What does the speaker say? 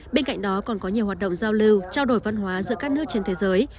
bên cạnh đó còn có nhiều hoạt động giao lưu trao đổi văn hóa giữa các nước trên thế giới